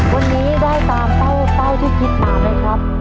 วันนี้ได้ตามเป้าที่คิดมาไหมครับ